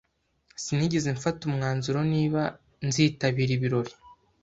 Sinigeze mfata umwanzuro niba nzitabira ibirori.